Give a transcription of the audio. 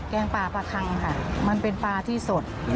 งปลาปลาคังค่ะมันเป็นปลาที่สด